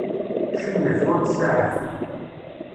Cennef, ur ttsaɛaf.